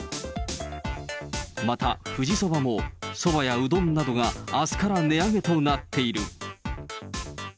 また富士そばも、そばやうどんなどがあすから値上げとなっている。